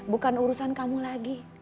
bukan urusan kamu lagi